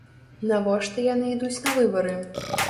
Навошта яны ідуць на выбары?